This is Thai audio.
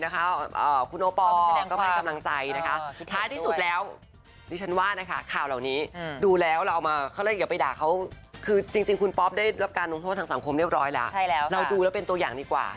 คือจริงคุณป๊อปได้รับการลงโทษทางสังคมเรียบร้อยแล้วเราดูแล้วเป็นตัวอย่างดีกว่า